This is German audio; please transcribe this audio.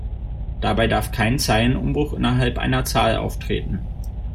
Dabei darf kein Zeilenumbruch innerhalb einer Zahl auftreten.